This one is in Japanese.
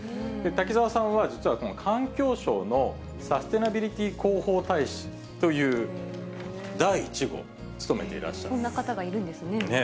滝沢さんは、実はこの環境省のサステナビリティ広報大使という第１号を務めてそんな方がいるんですね。